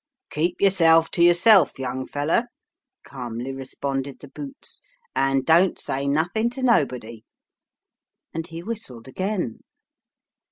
" Keep yourself to yourself, young feller," calmly responded the boots, " and don't say nothin' to nobody." And he whistled again.